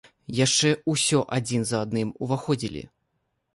Яшчэ ўсё адзін за адным уваходзілі.